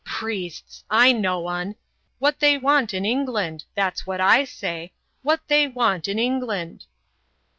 "Priests! I know 'un. What they want in England? That's what I say. What they want in England?"